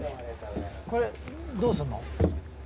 これどうすんの？